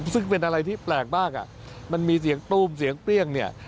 ซึ่งเป็นอะไรที่แปลกมากอ่ะมันมีเสียงตู้มเสียงเปรี้ยงเนี่ย